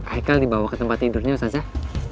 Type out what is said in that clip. haika dibawa ke tempat tidurnya ustazah